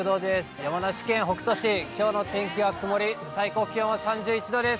山梨県北杜市、きょうの天気は曇り、最高気温は３１度です。